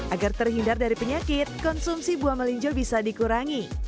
agar terhindar dari penyakit konsumsi buah melinjo bisa dikurangi